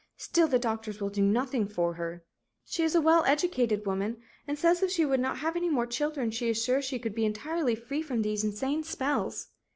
Still the doctors will do nothing for her. "She is a well educated woman and says if she would not have any more children, she is sure she could be entirely free from these insane spells.